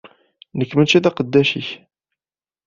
Nekk mačči d aqeddac-ik!